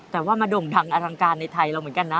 แต่ว่ามาโด่งดังอลังการในไทยเราเหมือนกันนะ